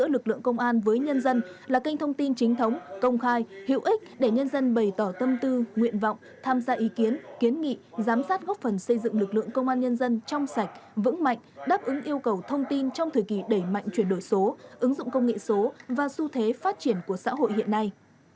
lực lượng công an với nhân dân là kênh thông tin chính thống công khai hữu ích để nhân dân bày tỏ tâm tư nguyện vọng tham gia ý kiến kiến nghị giám sát góp phần xây dựng lực lượng công an nhân dân trong sạch vững mạnh đáp ứng yêu cầu thông tin trong thời kỳ đẩy mạnh chuyển đổi số ứng dụng công nghệ số và xu thế phát triển của xã hội hiện nay